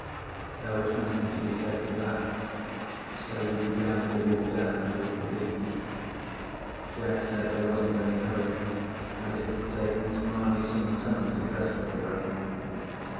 There was nothing to be said to that, so we began to walk down toward the beach. Jack said there wasn't any hurry, as it would take Miss Mamie some time to dress for the wedding.